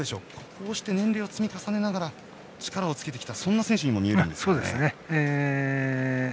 こうして年齢を積み重ねながら力をつけてきた選手に見えますね。